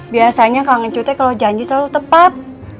biasanya kang ncu kalau janji selalu tepat